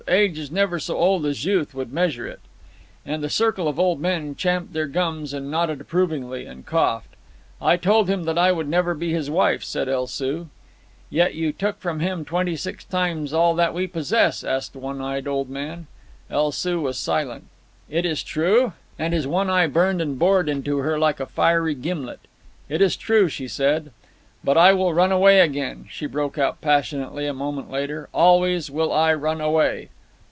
Age is never so old as youth would measure it." And the circle of old men champed their gums, and nodded approvingly, and coughed. "I told him that I would never be his wife," said El Soo. "Yet you took from him twenty six times all that we possess?" asked a one eyed old man. El Soo was silent. "It is true?" And his one eye burned and bored into her like a fiery gimlet. "It is true," she said. "But I will run away again," she broke out passionately, a moment later. "Always will I run away."